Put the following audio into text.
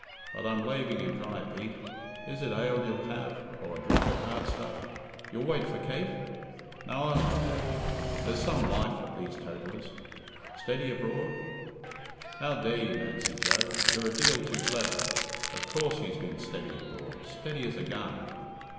But I'm laving you dry, Pete. Is it ale you'll have, or a drop of hard stuff? You'll wait for Kate? Now I like that. There's some life at these totallers. 'Steady abroad?' How dare you, Nancy Joe? You're a deal too clever. Of course he's been steady abroad steady as a gun."